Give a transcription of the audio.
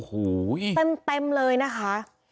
โอ้โหเต็มเลยนะคะ